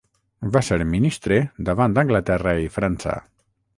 Va ser Ministre davant Anglaterra i França.